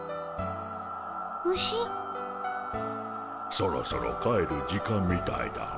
そろそろ帰る時間みたいだモ。